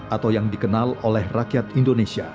atau yang dikenal oleh rakyat indonesia